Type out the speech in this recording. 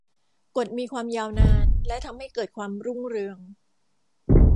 กฏมีความยาวนานและทำให้เกิดความรุ่งเรือง